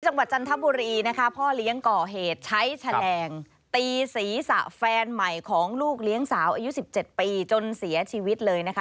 จังหวัดจันทบุรีนะคะพ่อเลี้ยงก่อเหตุใช้แฉลงตีศีรษะแฟนใหม่ของลูกเลี้ยงสาวอายุ๑๗ปีจนเสียชีวิตเลยนะคะ